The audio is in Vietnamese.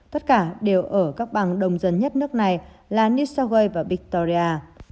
tất cả đều ở các bang đông dân nhất nước này là new south way và victoria